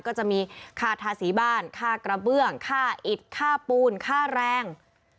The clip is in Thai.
ก็จะมีค่าทาสีบ้านค่ากระเบื้องค่าอิดค่าปูนค่าแรง